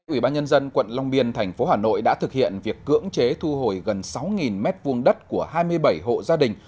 ủy ban nhân dân quận long biên thành phố hà nội đã thực hiện việc cưỡng chế thu hồi gần sáu m hai đất của hai mươi bảy hộ gia đình